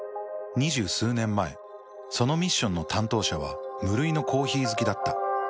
２０数年前そのミッションの担当者は無類のコーヒー好きだった。